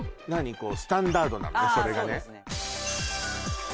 こうスタンダードなのねそれがねああ